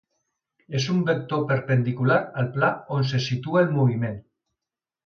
És un vector perpendicular al pla on se situa el moviment.